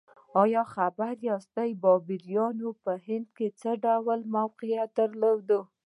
ایا خبر یاست بابریانو په هند کې څه ډول موقعیت درلود؟